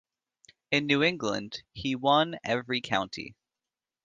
In New England, he won every county.